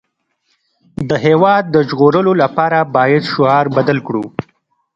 د هېواد د ژغورلو لپاره باید شعار بدل کړو